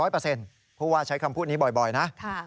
เพราะว่าใช้คำพูดนี้บ่อยนะ